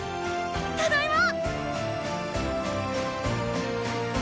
ただいまぁ！